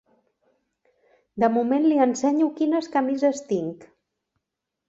De moment li ensenyo quines camises tinc.